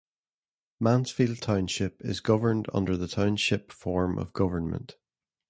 Mansfield Township is governed under the Township form of government.